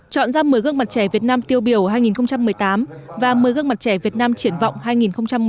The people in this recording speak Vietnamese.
chọn ra một mươi gương mặt trẻ việt nam tiêu biểu hai nghìn một mươi tám và một mươi gương mặt trẻ việt nam triển vọng hai nghìn một mươi chín